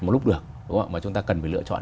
một lúc được đúng không ạ chúng ta cần phải lựa chọn